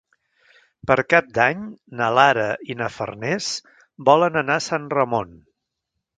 Per Cap d'Any na Lara i na Farners volen anar a Sant Ramon.